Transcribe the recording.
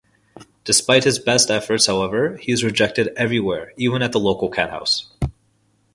Despite his best efforts, however, he is rejected everywhere, even at the local cathouse.